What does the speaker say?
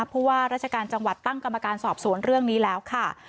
ผู้ว่าราชการจังหวัดตั้งกรรมการสอบสวนเรื่องนี้แล้วค่ะ